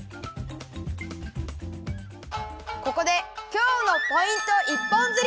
ここで今日のポイント一本釣り！